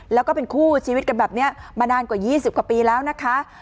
แล้วก็เป็นคู่ชีวิตกันแบบนี้มานานกว่า๒๐กว่าปีแล้วนะคะ